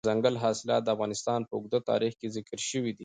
دځنګل حاصلات د افغانستان په اوږده تاریخ کې ذکر شوی دی.